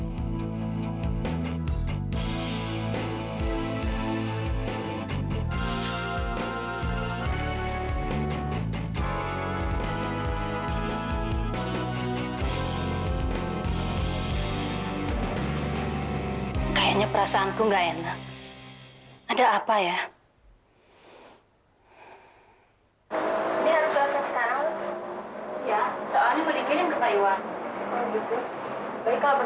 setelah masalah ini selesai oke